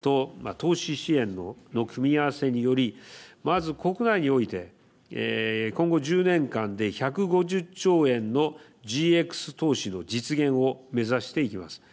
日本はカーボンプライシングと投資支援の組み合わせによりまず国内において今後１０年間で１５０兆円のＧＸ投資の実現を目指していきます。